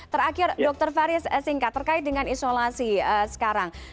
terakhir dokter farias singka terkait dengan isolasi sekarang